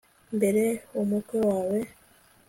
mbe umukwe wawe